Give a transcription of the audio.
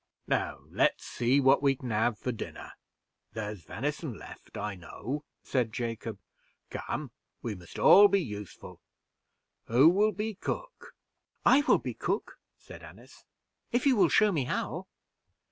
"Now, let's see what we can have for dinner there's venison left, I know," said Jacob; "come, we must all be useful. Who will be cook?" "I will be cook," said Alice, "if you will show me how."